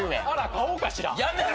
買おうかしら。